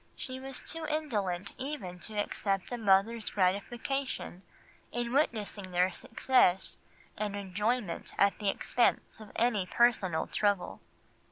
She was too indolent even to accept a mother's gratification in witnessing their success and enjoyment at the expense of any personal trouble."